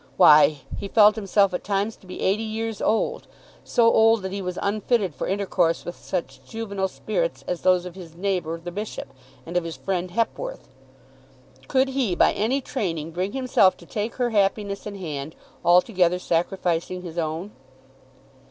Why; he felt himself at times to be eighty years old, so old that he was unfitted for intercourse with such juvenile spirits as those of his neighbour the bishop, and of his friend Hepworth. Could he, by any training, bring himself to take her happiness in hand, altogether sacrificing his own?